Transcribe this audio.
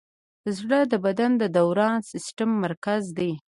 زړه د بدن د دوران سیسټم مرکز دی.